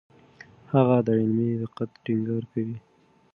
هغه د علمي دقت ټینګار کوي.